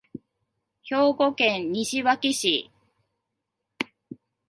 兵庫県西脇市